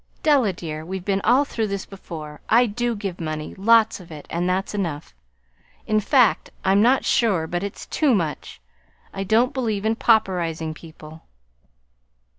"Della, dear, we've been all over this before. I do give money lots of it, and that's enough. In fact, I'm not sure but it's too much. I don't believe in pauperizing people."